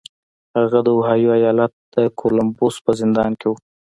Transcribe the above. هغه د اوهايو ايالت د کولمبوس په زندان کې و.